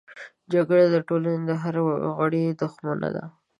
جګړه د ټولنې د هر غړي دښمنه ده